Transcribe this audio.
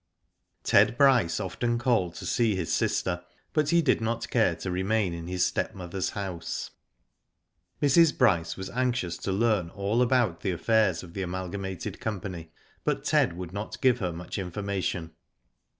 Ted Bryce often called to see bis sijte, but he did not care to remain in his s e jmother's house. Digitized byGoogk 262 WHO DID IT? Mrs. Bryce was anxious to learn all about the affairs of the Amalgamated Company, but Ted would not give her much information.